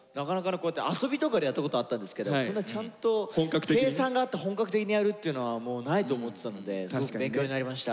こうやって遊びとかではやったことはあったんですけどこんなちゃんと計算があって本格的にやるっていうのはもうないと思ってたのですごく勉強になりました。